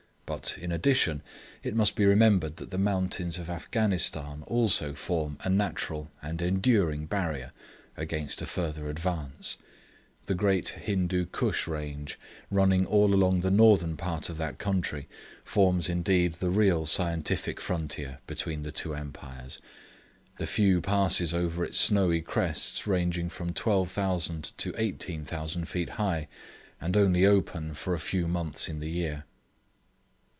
But, in addition, it must be remembered that the mountains of Afghanistan also form a natural and enduring barrier against a further advance. The great Hindoo Koosh range, running all along the northern part of that country, forms indeed the real scientific frontier between the two Empires, the few passes over its snowy crests ranging from 12,000 to 18,000 feet high, and only open for a few months in the year.